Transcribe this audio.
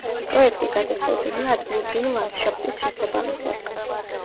პროექტი გადაწყვეტილია ადგილობრივი ლანდშაფტის შესაბამისად.